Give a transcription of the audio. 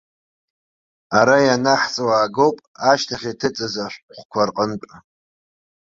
Ара ианаҳҵо аагоуп ашьҭахь иҭыҵыз ашәҟәқәа рҟынтә.